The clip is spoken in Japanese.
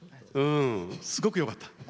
すごくよかった。